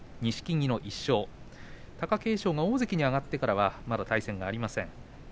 貴景勝が大関に上がってからはまだ対戦がありません。